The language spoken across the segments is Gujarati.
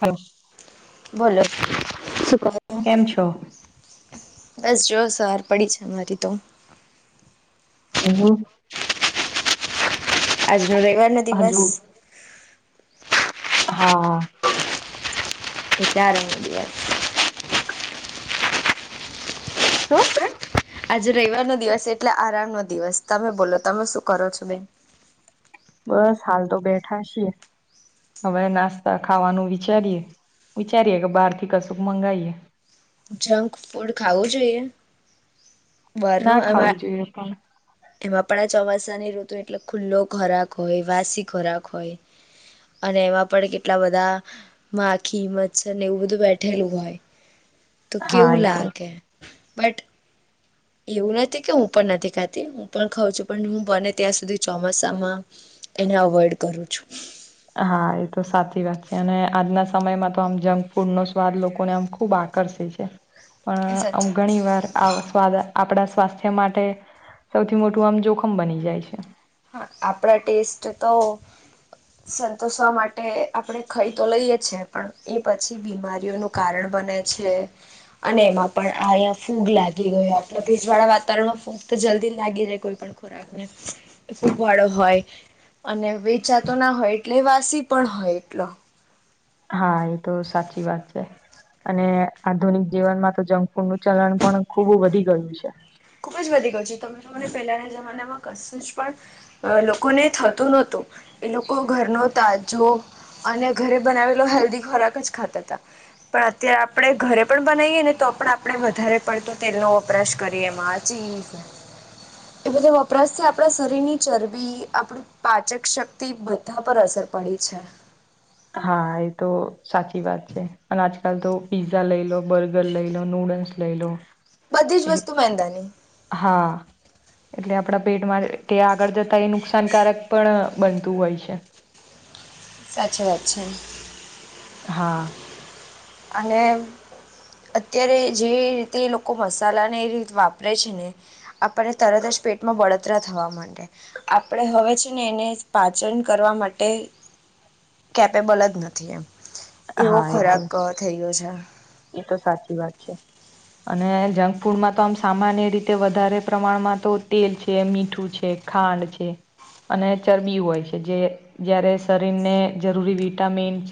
હલો બોલો સુ કરો છો. બસ જો સવાર પડી છે અમારી તો હહો આજનો રવિવાર નો દિવસ હજુ હા વિચારેએ શું આજે રવિવાર નો દિવસ એટલે આરામ નો દિવસ તમે બોલો તમે શું કરો છો બેન. બસ હાલ તો બેઠા છી હવે નાસ્તા ખાવાનું વિચારીએ વિચારીએે કે બહાર થી કશુંક મંગાવીએ. જંક ફૂડ ખાવું જોઈએ. ના બહારનું એમાં ખાવું જોઈએ પણ એમાં પણ આ ચોમાસાની ઋતુ એટલે ખુલ્લો ખોરાક હોય વાસી ખોરાક હોય. અને એમાં પણ કેટલા બધા માખી મચછર એવું બધું બેઠેલું હોય. તો હા કેવું એ તો લાગે બટ એવું નથી કે હું પણ નથી ખાતી હું પણ ખાઉં છું પણ હું બને ત્યાં સુધી ચોમાસામાં એને અવોઈડ કરું છું. હા એ તો સાચી વાત છે અને આજના સમયમાં તો આમ જંક ફૂડ નો સ્વાદ લોકોને આમ ખુબ આકર્ષે છે. હ [unintelligible] પણ હ ઘણી વાર આ સ્વાદ આપણા સ્વાસ્થ્ય માટે સૌથી મોટું આમ જોખમ બની જાય છે. હા આપણા ટેસ્ટ તો સંતોષવા માટે આપણે ખાઈ તો લઈએ છે પણ એ પછી બીમારીઓનું કારણ બને છે. અને એમાં પણ આહીંયા ફૂગ લાગી ગયો આપ ભેજ વાળા વાતાવરણમાં ફૂગ તો જલ્દી લાગી જાય કોઈ પણ રાખને [unintelligible] ફૂગવાળો હોય અને વેચાતો ના હોય એટલે વાસી પણ હોય એટલો હા એ તો સાચી વાત છે. અને આધુનિક જીવનમાં તો જંક ફૂડ નું ચલન પણ ખુબ વધી ગયું છે. ખુબ જ વધી ગયું છે તમે તો મને પહેલાના જમાનામાં કશું જ પણ અ લોકોને થતું નહોતું એ લોકો ઘર નું તાજુ અને ઘરે બનાવેલો હેલ્ધી ખોરાક જ ખાતા તા. પણ અત્યારે આપડણે ઘરે પણ બનાવીએ ને તો પણ આપણે વધારે પડતો તેલનો વપરાશ કરીએ માસ ચિજ એ બધા વપરાશ છે આપણા શરીર ની ચરબી આપડું પાચક શક્તિ બધા પર અસર પડી છે. હા એ તો સાચી વાત છે અને આજ આજકાલ તો પિઝા લઈ લો બર્ગર લઈ લો નૂડલ્સ લઈ લો બધી જ વસ્તુ મેંદા ની હા એટલે આપણા પેટમાં કે આગળ જતા એ નુકસાનકારક પણ બનતું હોય છે. સાચી વાત છે. હા. અને અત્યારે જે રીતે એ લોકો મસાલાને એ રીત વાપરે છે, ને આપણને તરત જ પેટમાં બળતરા થવા માંડે આપણે હવે છે, ને એને પાચન કરવા માટે કેપેબલ જ નથી એમ એવો હા એ તો ખોરાક થઈ ગયો છે. એ તો સાચી વાત છે. અને જંક ફૂડમાં તો આમ સામાન્ય રીતે વધારે પ્રમાણમાં તો તેલ છે, મીઠું છે. ખાંડ છે. અને ચરબી હોય છે, જે જ્યારે શરીરને જરૂરી વિટામિન્સ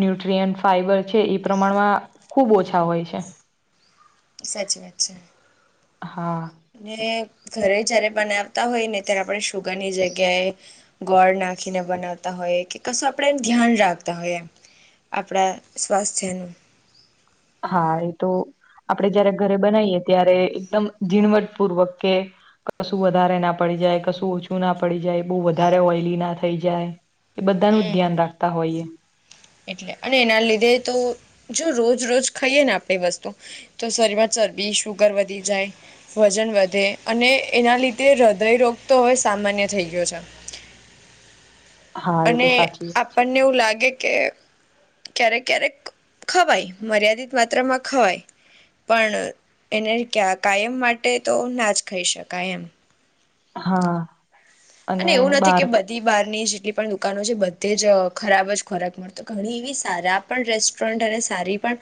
ન્યુટ્રીયન ફાઈબર છે, એ પ્રમાણમાં ખૂબ ઓછા હોય છે. સાચી વાત છે. હા. ને ઘરે જયારે બનાવતા હોય ને ત્યારે આપણે શુગર ની જગ્યાએ ગોળ નાખીને બનાવતા હોય કે કશું આપણેે એમ ધ્યાન રાખતા હોયએ એમ આપણા સ્વાસ્થ્યનું હા એ તો આપડે જયારે ઘરે બનાવીએ ત્યારે એકદમ ઝીણવટ પૂર્વક કે કશું વધારે ના પડી જાય કશું ઓછું ના પડી જાય બહુ વધારે ઓઈલી ના થઈ જાય એ બધાનું હમ ધ્યાન રાખતા હોઈએ એટલે અને એના લીધે તો જો રોજ રોજ ખાઈએ ને આપણે વસ્તુ તો શરીરમાં ચરબી સુુગર વધી જાય વજન વધે અને એના લીધે હૃદયરોગ તો હવે સામાન્ય થઈ ગયો છે. હા એ અને તો સાચી વાત છે આપણને એવું લાગે કે ક્યારેક ક્યારેક ખવાય મર્યાદિત માત્રામાં ખવાય પણ એને ક્યા કાયમ માટે તો ના જ ખાઈ શકાય એમ હા. અને એવું નથી કે બધી બારની જેટલી પણ દુકાનો છે, બધે જ ખરાબ જ ખોરાક મળ તો ઘણી એવી સારા પણ રેસ્ટોરન્ટ અને સારી પણ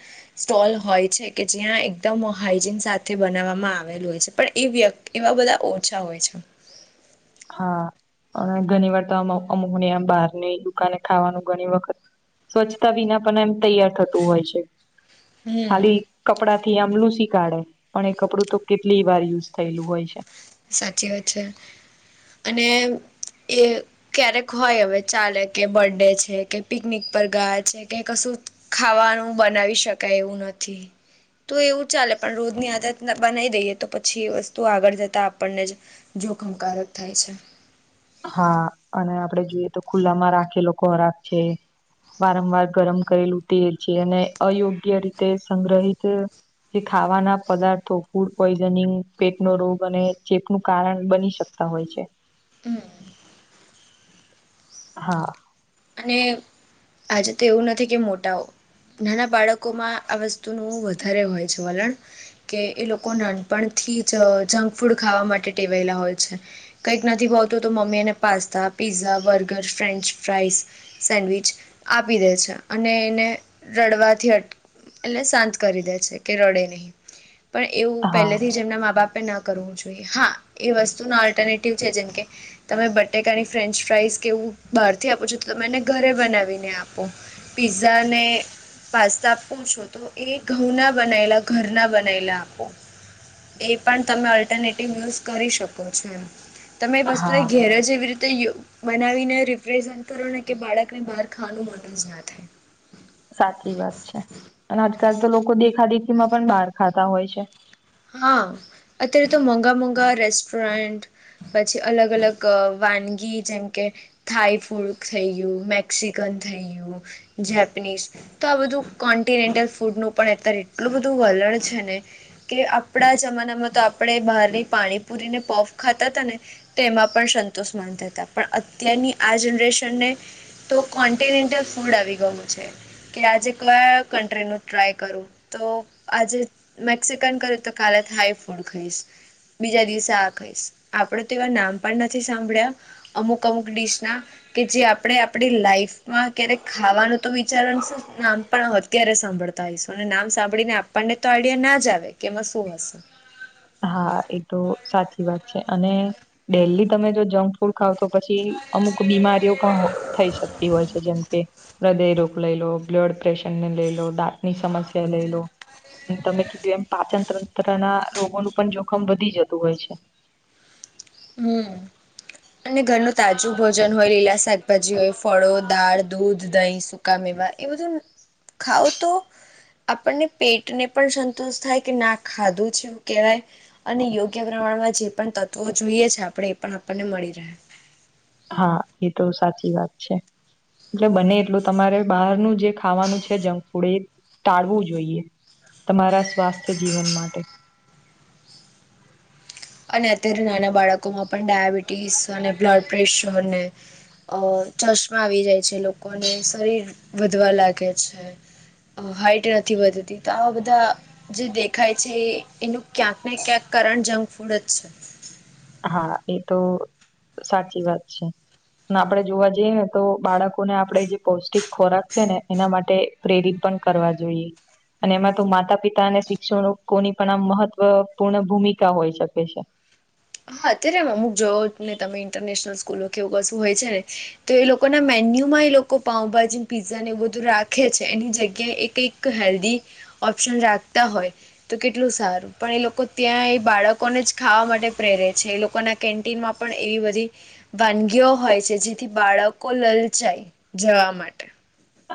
સ્ટોલ હોય છે, કે જ્યાં એકદમ હાઈજીન સાથે બનાવવામાં આવેલું હોય છે, પણ એ વ્યક્તિ એવા બધા ઓછા હોય છે. હા અને ઘણી વાર તો અમુક બહારની દુકાને ખાવાનું ઘણી વખત સ્વચ્છતા વિના પણ એમ તૈયાર થતું હોય છે, હમ ખાલી કપડાથી આમલું શી કાઢે પણ એ કપડું તો કેટલી વાર યુઝ થયેલું હોય છે. સાચી વાત છે. અને એ ક્યારેક હોય હવે ચાલે કે બર્ડ છે, કે પિકનિક પર ગયા છે, કે કશું ખાવાનું બનાવી શકાય એવું નથી તો એવું ચાલે પણ રોજની આદત બનાવી દઈએ તો પછી એ વસ્તુ આગળ જતાં આપ આપણને જ જોખમકારક થાય છે. હા અને આપડે જોઈએ તો ખુલ્લામાં રાખેલો ખોરાક છે. વારંવાર ગરમ કરેલું તેલ છે, અને અયોગ્ય રીતે સંગ્રહિત જે ખાવાના પદાર્થ ફૂડ પોઈઝનિંગ પેટનો રોગ અને ચેપનું કારણ બની શકે તા હોય છે. હમ. હા. અને આજે તો એવું નથી કે મોટાઓ નાના બાળકોમાં આ વસ્તુનું વધારે હોય છે, વલણ કે એ લોકો નાનપણથી જ જંક ફૂડ ખાવા માટે ટેવાયેલા હોય છે. કંઈક નથી ભવતું તો મમ્મીને pasta pizza burger French fries sandwich આપી દે છે, અને એને રડવાથી અટ એટલે શાંત કરી દે છે, કે રડે નહીં પણ એવું હા પહેલેથી જ જેમના મા બાપે ન કરવું જોઈએ, હા એ વસ્તુ ના અલ્ટરનેટિવ છે જેમકે તમે બટેકાની ફ્રેન્ચ ફ્રાઈઝ કેવું બહાર થી આપો છો. તો મને ઘરે બનાવીને આપો પીઝા ને પાસ્તા આપો છો, તો એ ઘઉના બનાયેલા ઘરના બનાયલા આપો એ પણ તમે ઓલ્ટરનેટિવ યુઝ કરી શકો છો એમ. તમે વસ્તુને હા ઘેર જ એવી રીતે યો બનાવીને રિપ્રેેશ કે બાળકને બહાર ખાવાનું મન જ ના થાય, સાચી વાત છે, અને આજકાલ તો લોકો દેખા દેખીમાં પણ બહાર ખાતા હોય છે. હા, અત્યારે તો મોંઘા મોંઘા રેસ્ટોરન્ટ પછી અલગ અલગ વાનગી જેમ કે થાઈ ફૂડ થઇ ગયું, મેક્સિકન થઇ ગયું, જેપનીઝ તો આ બધું કોન્ટિનેન્ટલ ફૂડનું પણ અત્યારે એટલું બધું વલણ છે, ને કે આપણા જમાનામાં તો આપણે બહારની પાણીપુરીને પફ ખાતા હતા ને તેમાં પણ સંતોષ માનતા હતા, પણ અત્યારની આ જનરેશનને તો કોન્ટિનેન્ટલ ફૂડ આવી ગયું છે, કે આજે કયા કન્ટ્રી નું ટ્રાય કરું તો આજે મેક્સન કર તો કાલ હાય ફૂડ ખાઈસ, બીજા દિવસે આ ખઈશ આપડે તો એવા નામ પણ નથી સાંભળ્યા, અમુક અમુક ડીશ ના કે જે આપણે આપડી લાઈફમાં ક્યારેક ખાવાનું તો વિચારણ નામ પણ અત્યારે સાંભળતા હઈશું અને નામ સાંભળીને આપણને તો આઈડિયા ના જ આવે કે એમાં શું હશે. હા, એ તો સાચી વાત છે, અને દેલી તમે જો જમ ફૂડ ખાવ તો પછી અમુક બીમારીઓ પણ થઈ શકતી હોય છે, જેમકે હૃદય રોગ લઈ લો, બ્લડ પ્રેશરને લઈ લો, દાંતની સમસ્યા લઈ લો, અને તમે કીધું એમ પાચન તંત્ર ના રોગોનું પણ જોખમ વધી જતું હોય છે. હમ્મ. ને ઘરનું તાજું ભોજન હોય, લીલા શાકભાજી હોય ફળો, દાળ, દૂધ, દહીં, સુ કામેવા એ બધું ખાવ તો આપણને પેટને પણ સંતોષ થાય કે ના ખાધું છે, કેવાય અને યોગ્ય પ્રમાણમાં જે પણ તત્વો જોઈએ છે, આપણે એ પણ આપણને મળી રહે. હા, એ તો સાચી વાત છે. એટલે બને એટલું તમારે બહારનું જે ખાવાનું છે, જંક ફૂડ એ ટાળવું જોઈએ. તમારા સ્વાસ્થ્ય જીવન માટે, અને અત્યારે નાના બાળકોમાં પણ ડાયાબિટીસ અને બ્લડ પ્રેશરને અ ચર્ચમાં આવી જાય છે લોકોને શરીર વધવા લાગે છે, હાઈટ નથી વધતી, તો આવા બધા જે દેખાય છે એનું ક્યાંક ને ક્યાંક કારણ જંક ફૂડ જ છે. હા, એ તો સાચી વાત છે. આપડે જોવા જઈએ ને તો બાળકોને આપણેે જે પૌષ્ટિક ખોરાક છે, ને એના માટે પ્રેરિત પણ કરવા જોઈએ, અને એમાં તો માતા પિતા અને શિક્ષણ કોની પણ આ મહત્વપૂર્ણ ભૂમિકા હોઈ શકે છે. હા, અત્યારે અમુક જો ને તમે ઇન્ટરનેશનલ સ્કૂલો કેવું કશું હોય છે, ને તો એ લોકો ના મેન્યુ માં એ લોકો પાઉભાજીને પીઝા ને એ બધું રાખે છે, એની જગ્યાએ એ કઈક [inaudible] હેલ્દી ઓપ્શન રાખતા હોય, તો કેટલું સારું પણ એ લોકો ત્યાં એ બાળકોને જ ખાવા માટે પ્રેરે છે, એ લોકોના કેન્ટીનમાં પણ એવી બધી વાનગીઓ હોય છે, જેથી બાળકો લલસાય જાય જવા માટે.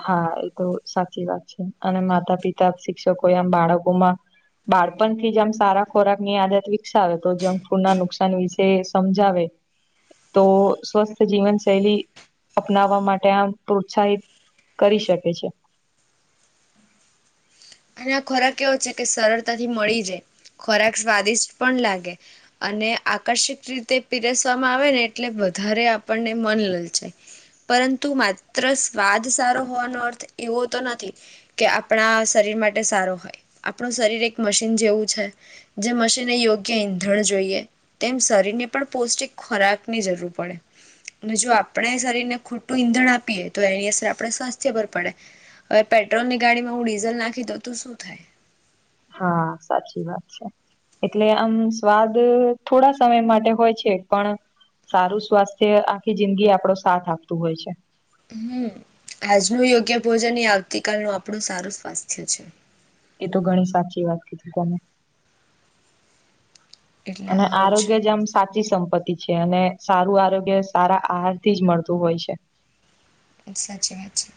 હા, એ તો સાચી વાત છે, અને માતા પિતા શિક્ષકો એમ બાળકોમાં બાળપણ થી, જે આમ સારા ખોરાક ની આદત વિકસાવે તો જંક ફૂડ ના, નુકસાન વિશે સમજાવે તો સ્વસ્થ જીવન શૈલી અપનાવવા માટે આમ પ્રોત્સાહિત કરી શકે છે. અને આ ખોરાક એવો છે, કે સરળતાથી મળી જાય ખોરાક સ્વાદિષ્ટ પણ લાગે અને, આકર્ષિક રીતે પીરસવામાં આવે ને એટલે વધારે આપણને મન લલ જાય પરંતુ માત્ર સ્વાદ સારો હોવાનો અર્થ, એવો તો નથી કે આપણા શરીર માટે સારો હોય આપણું શરીર એક મશીન જેવું છે. જે મશીનને યોગ્ય ઈંધણ જોઈએ તેમ શરીરને પણ પૌષ્ટિક ખોરાકની જરૂર પડે અને, જો આપણે શરીર ને ખોટું ઈંધણ આપીએ તો એની, અસર આપણે સ્વાસ્થ્ય પર પડે હવે પેટ્રોલ ની ગાડીમાં હું ડીઝલ નાખી દઉ તો શું થાય હા, સાચી વાત છે. એટલે આમ સ્વાદ થોડા સમય માટે હોય છે, પણ સારું સ્વાસ્થ્ય આખી જિંદગી આપડો સાથ આપતું હોય છે. હમ આજનું યોગ્ય ભોજન એ, આવતી કલનું આપણું સારું સ્વાસ્થ્ય છે એ તો ઘણી સાચી વાત કીધી તમે એટલે અને, આવું છે આરોગ્ય જેમ સાચી સંપત્તિ અને, સારું આરોગ્ય સારા આહાર થી જ મળતું હોય છે. સાચી વાત છે,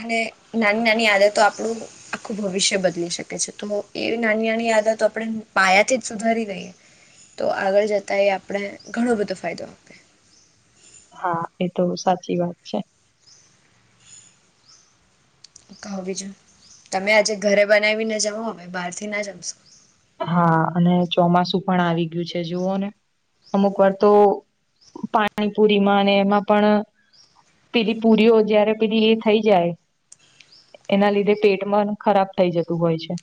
અને નાની નાની આદતો આપણું. આખું ભવિષ્ય બદલી શકે છે, તો એ નાની નાની આદતો આપણે પાયાથી જ સુધારી દઈએ. તો આગળ જતાં એ, આપણે ઘણો બધો ફાયદો. હા એ તો સાચી વાત છે. કહો બીજું તમે, આજે ઘરે બનાવીને જમો અમે બહાર થી ના જમશો હા, અને ચોમાસું પણ આવી ગયું છે, જુઓ ને અમુક વાર તો. પાણીપુરી માં અને એમાં પણ પેલી પૂરીઓ જ્યારે પેલી એ થઈ જાય. એના લીધે પેટમાં ખરાબ થઈ જતું હોય છે.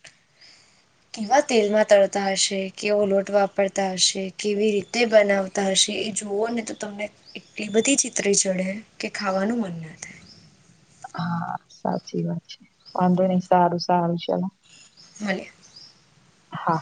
કેવા તેલમાં તળતા હશે કેવો લોટ વાપરતા હશે કેવી રીતે બનાવતા હશે એ જુઓ ને તો તમને એટલી બધી ચીતરી ચડે કે ખાવાનું મન ના થાય. હા, સાચી વાત છે, વાંધો નઈ સારું સારું ચલો. મળીયે. હા.